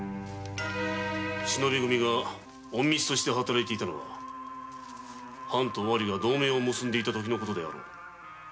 忍び組の者が隠密として働いていたのは藩と尾張が同盟を結んでいた時の事であろう。